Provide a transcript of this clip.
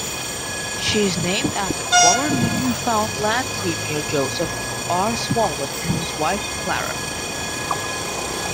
She is named after former Newfoundland premier Joseph R. Smallwood and his wife Clara.